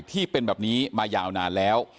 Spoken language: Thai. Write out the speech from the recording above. ที่เป็นแบบนี้มายาวนานแล้ว